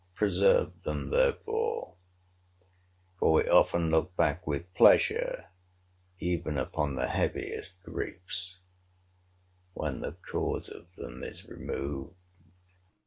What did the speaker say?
Preserve them, therefore; for we often look back with pleasure even upon the heaviest griefs, when the cause of them is removed.